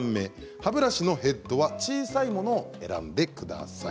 歯ブラシのヘッドは小さいものを選んでください。